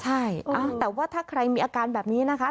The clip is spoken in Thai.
ใช่แต่ว่าถ้าใครมีอาการแบบนี้นะคะ